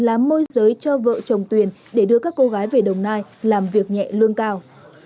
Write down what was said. làm môi giới cho vợ chồng tuyền để đưa các cô gái về đồng nai làm việc nhẹ lương cao